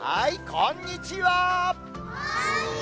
こんにちは。